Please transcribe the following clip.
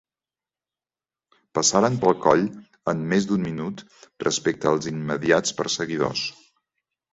Passaren pel coll amb més d'un minut respecte als immediats perseguidors.